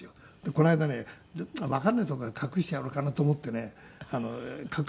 この間ねわかんない所へ隠してやろうかなと思ってね隠したんですよ。